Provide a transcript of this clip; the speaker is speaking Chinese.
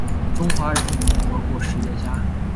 中华人民共和国实业家。